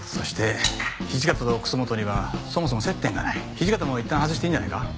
土方もいったん外していいんじゃないか？